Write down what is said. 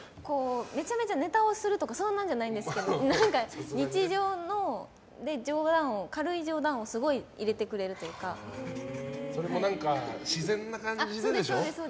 めちゃめちゃネタをするとかそんなんじゃないんですけど何か日常で軽い冗談をそれも自然な感じででしょ。